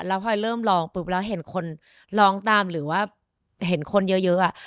แล้วพอยเริ่มลองปุ๊บแล้วเห็นคนร้องตามหรือว่าเห็นคนเยอะ